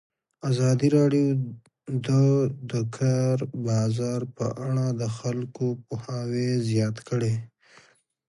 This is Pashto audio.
ازادي راډیو د د کار بازار په اړه د خلکو پوهاوی زیات کړی.